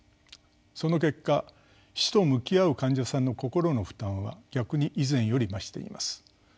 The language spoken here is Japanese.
その結果死と向き合う患者さんの心の負担は逆に以前より増しています。